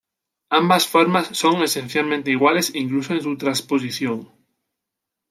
Ambas formas son esencialmente iguales incluso en su trasposición.